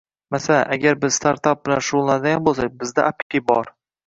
Masalan, agar biz Startup bilan shugʻullanadigan boʻlsak, bizda Api bor.